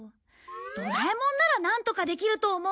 ドラえもんならなんとかできると思うんだ。